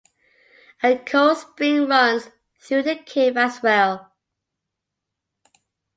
A cold spring runs through the cave as well.